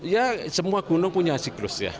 ya semua gunung punya siklus ya